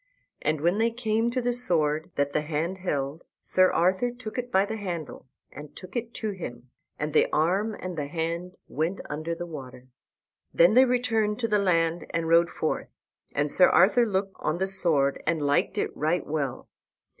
And when they came to the sword that the hand held Sir Arthur took it by the handle and took it to him, and the arm and the hand went under the water. Then they returned unto the land and rode forth. And Sir Arthur looked on the sword and liked it right well.